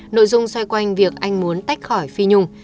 nội dung xoay quanh việc anh muốn tách khỏi phi nhung